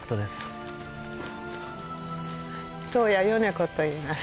とうや米子といいます。